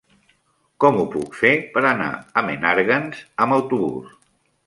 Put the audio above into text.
Com ho puc fer per anar a Menàrguens amb autobús?